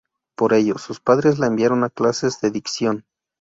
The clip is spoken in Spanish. Por ello, sus padres la enviaron a clases de dicción.